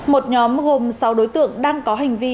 một nhóm gồm sáu đối tượng đang có hành vi